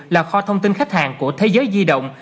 là kho thông tin khách hàng của thế giới di động